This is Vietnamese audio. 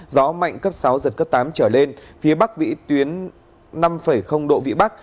gió mạnh cấp sáu giật cấp tám trở lên phía bắc vĩ tuyến năm độ vị bắc